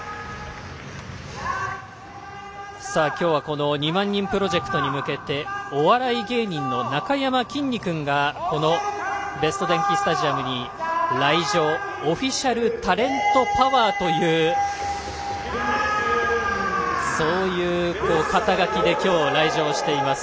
今日は２万人プロジェクトに向けてお笑い芸人のなかやまきんに君がベスト電器スタジアムに来場オフィシャルタレントパワー！という肩書で来場しています。